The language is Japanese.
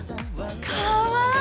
かわいい！